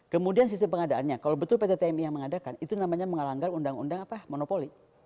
kemudian sistem pengadaannya kalau betul pt tmi yang mengadakan itu namanya mengalanggar undang undang monopoli